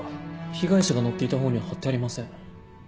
被害者が乗っていた方には貼ってありません。